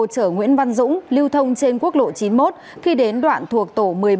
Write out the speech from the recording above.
chở nguyễn văn dũng lưu thông trên quốc lộ chín mươi một khi đến đoạn thuộc tổ một mươi bảy